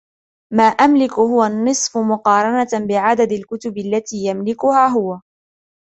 ما أملك هو النصف مقارنة بعدد الكتب التي يملكها هو.